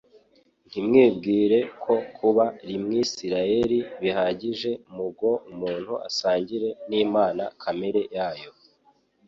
Ntimwibwire ko kuba Limwisiraeli bihagije mgo umuntu asangire n'Imana kamere yayo